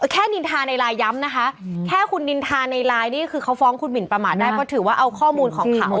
แค่นินทาในไลน์ย้ำนะคะแค่คุณนินทาได้ก็ถือว่าเอาข้อมูลของเขา